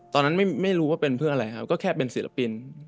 ตอนนั้นไม่รู้ว่าเป็นเพื่ออะไรครับก็แค่เป็นศิลปิน